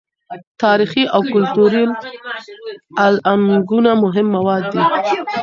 تاریخي او کلتوري الانګونه مهمې مواد دي.